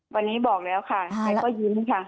วันนี้บอกแล้วค่ะใครก็ยิ้มค่ะ